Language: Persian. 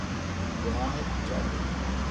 گناه کوچک